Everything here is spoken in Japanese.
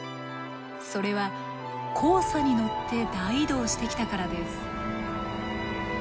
それは黄砂に乗って大移動してきたからです。